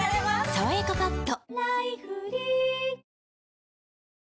「さわやかパッド」